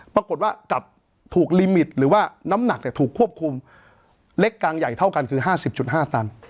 ปรากฏว่ากับถูกลิมิตหรือว่าน้ำหนักเนี้ยถูกควบคุมเล็กกางใหญ่เท่ากันคือห้าสิบจุดห้าตัน